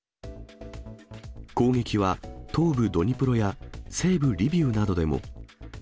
攻撃は東部ドニプロや、西部リビウなどでも。